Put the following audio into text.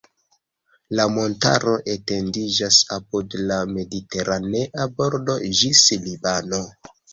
La montaro etendiĝas apud la Mediteranea bordo ĝis Libano.